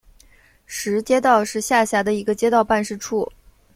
石街道是下辖的一个街道办事处。